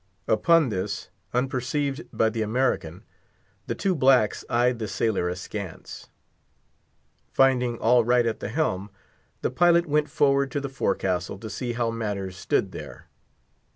Upon this, unperceived by the American, the two blacks eyed the sailor intently. Finding all right at the helm, the pilot went forward to the forecastle, to see how matters stood there.